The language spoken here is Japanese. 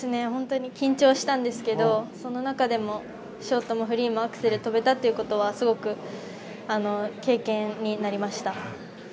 本当に緊張したんですけどその中でもショートもフリーもアクセルを跳べたということはすごく経験になりました。